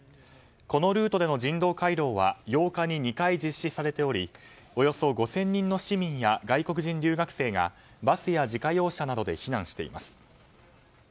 このルートでの人道回廊は８日に２回実施されておりおよそ５０００人の市民や外国人留学生がバスや自家用車などで避難しています。